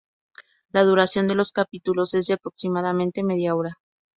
La duración de los capítulos es de aproximadamente media hora.